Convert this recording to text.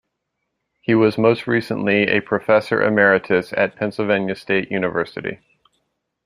He was most recently a professor emeritus at Pennsylvania State University.